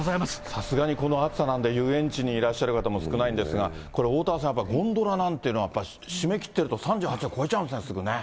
さすがにこの暑さなんで、遊園地にいらっしゃる方も少ないんですが、これ、おおたわさん、ゴンドラなんていうのは、やっぱり閉め切ってると３８度超えちゃうんですね、すぐね。